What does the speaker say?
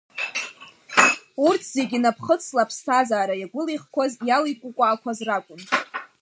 Урҭ зегьы наԥхыцла аԥсҭазаара иагәылихқәаз, иаликәыкәаақәаз ракәын…